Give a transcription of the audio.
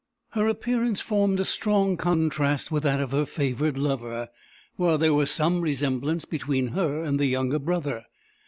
Her appearance formed a strong contrast with that of her favoured lover, while there was some resemblance between her and the younger brother.